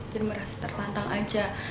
jadi merasa tertantang aja